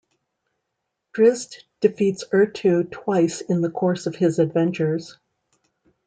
Drizzt defeats Errtu twice in the course of his adventures.